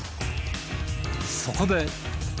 そこで。